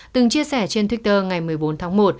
từng chia sẻ trên twitter ngày một mươi bốn tháng một